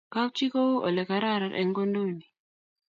kap chii ko u ole kararan eng' nguanduni